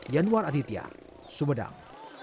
yanwar aditya sumedang